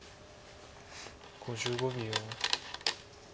５５秒。